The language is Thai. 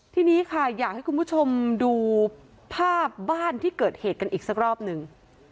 ทีนี้ค่ะอยากให้คุณผู้ชมดูภาพบ้านที่เกิดเหตุกันอีกสักรอบหนึ่ง